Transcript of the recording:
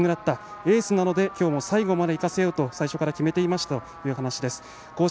エースなので今日も最後までいかせようと最初から決めていましたという話です。